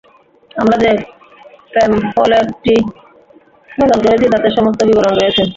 আমরা যে প্যামফলেটটি প্রদান করেছি তাতে সমস্ত বিবরণ রয়েছে।